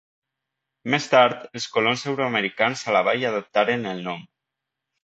Més tard els colons euroamericans a la vall adoptaren el nom.